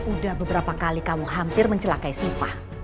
udah beberapa kali kamu hampir mencelakai siva